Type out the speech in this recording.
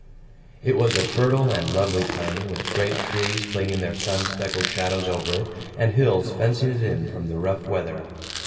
It was a fertile and lovely plain, with great trees flinging their sun speckled shadows over it, and hills fencing it in from the rough weather.